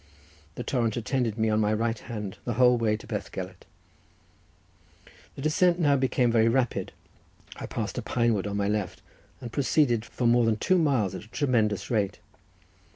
The torrent attended me on my right hand the whole way to Bethgelert. The descent now became very rapid. I passed a pine wood on my left, and proceeded for more than two miles at a tremendous rate.